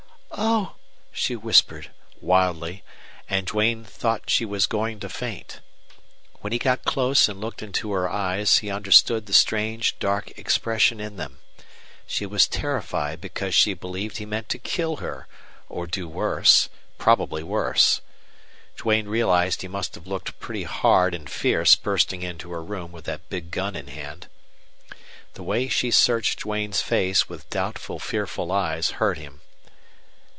"Oh!" she whispered, wildly; and Duane thought she was going to faint. When he got close and looked into her eyes he understood the strange, dark expression in them. She was terrified because she believed he meant to kill her, or do worse, probably worse. Duane realized he must have looked pretty hard and fierce bursting into her room with that big gun in hand. The way she searched Duane's face with doubtful, fearful eyes hurt him.